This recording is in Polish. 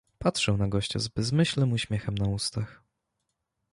Patrzył na gościa z bezmyślnym uśmiechem na ustach.